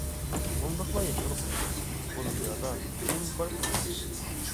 مۇنداقلا ياشىغىلى بولماس، بۇ دۇنيادا ئۆلۈم بار چۈنكى.